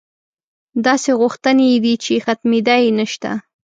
داسې غوښتنې یې دي چې ختمېدا یې نشته.